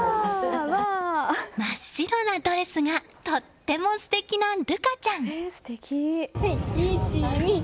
真っ白なドレスがとても素敵な琉花ちゃん。